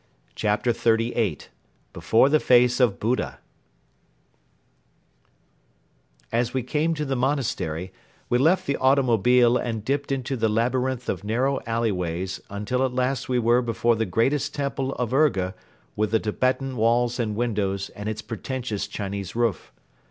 CHAPTER XXXVIII BEFORE THE FACE OF BUDDHA As we came to the monastery we left the automobile and dipped into the labyrinth of narrow alleyways until at last we were before the greatest temple of Urga with the Tibetan walls and windows and its pretentious Chinese roof.